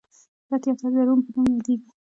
دا تیاتر د روم په نوم یادیږي.